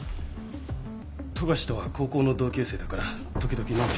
富樫とは高校の同級生だから時々飲んで。